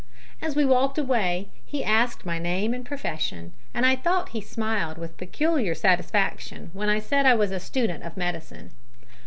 As we walked away he asked my name and profession, and I thought he smiled with peculiar satisfaction when I said I was a student of medicine.